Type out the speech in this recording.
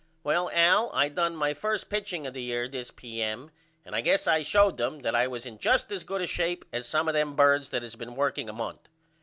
Well Al I done my first pitching of the year this P.M. and I guess I showed them that I was in just as good a shape as some of them birds that has been working a month.